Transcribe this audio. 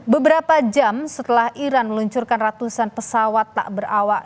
beberapa jam setelah iran meluncurkan ratusan pesawat tak berawak